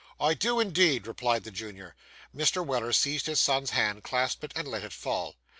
'I do, indeed,' replied the junior. Mr. Weller seized his son's hand, clasped it, and let it fall.